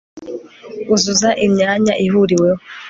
uzuza imyanya ihuriweho